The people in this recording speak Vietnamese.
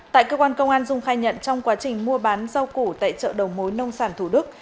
tại cơ quan công an dung khai nhận trong quá trình mua bán rau củ tại chợ đầu mối nông sản thủ đức